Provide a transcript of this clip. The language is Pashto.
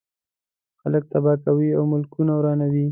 خلک تباه کوي او ملکونه ورانوي.